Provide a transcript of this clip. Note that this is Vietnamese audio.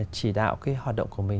chỉ đạo cái hoạt động của mình